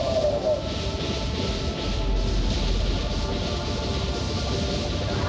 makam kesepakatan yang telah kubah kira kira